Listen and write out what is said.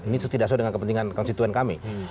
ini tidak sesuai dengan kepentingan konstituen kami